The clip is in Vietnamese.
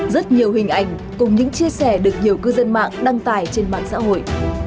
rất nhiều hình ảnh cùng những chia sẻ được nhiều cư dân mạng đăng tải trên mạng xã hội